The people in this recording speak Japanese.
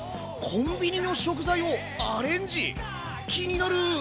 コンビニの食材をアレンジ⁉気になる。